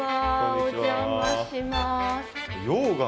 お邪魔します。